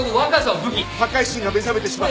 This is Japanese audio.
破壊神が目覚めてしまう。